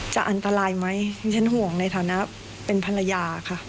จะอันตรายไหมดิฉันห่วงในฐานะเป็นภรรยาค่ะ